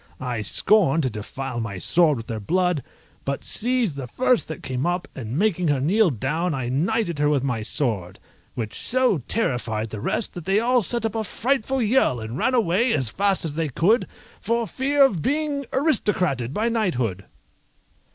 I scorned to defile my sword with their blood, but seized the first that came up, and making her kneel down I knighted her with my sword, which so terrified the rest that they all set up a frightful yell and ran away as fast as they could for fear of being aristocrated by knighthood.